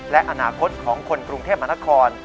และอนาคตของคนกรุงเทพมหานคร